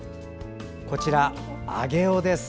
こちら、上尾です。